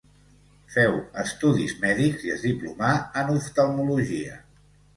Feu estudis mèdics i es diplomà en oftalmologia.